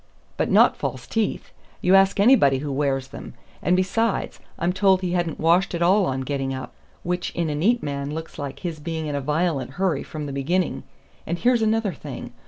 "But not false teeth. You ask anybody who wears them. And besides, I'm told he hadn't washed at all on getting up, which in a neat man looks like his being in a violent hurry from the beginning. And here's another thing.